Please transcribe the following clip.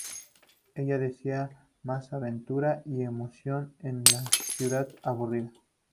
Ella desea más aventura y emoción en su ciudad aburrida.